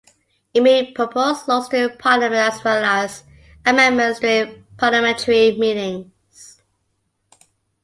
It may propose laws to Parliament as well as amendments during parliamentary meetings.